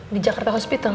di jakarta hospital